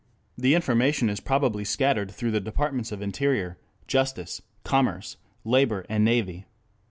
The information is probably scattered through the Departments of Interior, Justice, Commerce, Labor and Navy.